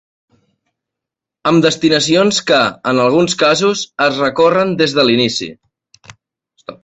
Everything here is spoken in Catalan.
Amb destinacions que, en alguns casos, es recorren des de l'inici.